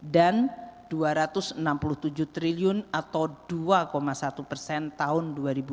dan rp dua ratus enam puluh tujuh triliun atau dua satu tahun dua ribu enam belas